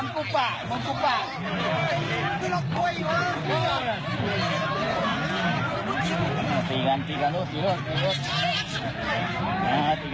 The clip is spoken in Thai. น่าจะยังไงบ้างหุ่นมีกิสมีกวดมีกว้ย